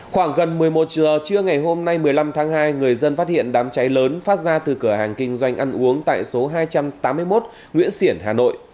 khoảng gần một mươi một giờ trưa ngày hôm nay một mươi năm tháng hai người dân phát hiện đám cháy lớn phát ra từ cửa hàng kinh doanh ăn uống tại số hai trăm tám mươi một nguyễn xiển hà nội